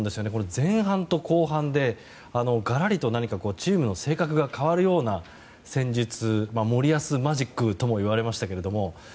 前半と後半でがらりとチームの性格が変わるような戦術森保マジックともいわれましたけれども。